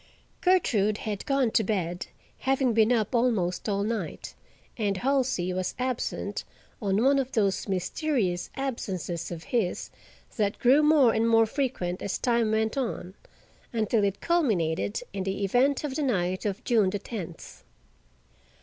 Gertrude had gone to bed, having been up almost all night, and Halsey was absent on one of those mysterious absences of his that grew more and more frequent as time went on, until it culminated in the event of the night of June the tenth.